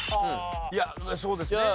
いやそうですね。